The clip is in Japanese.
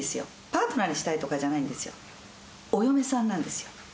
パートナーにしたいとかじゃないんですよお嫁さんなんですよ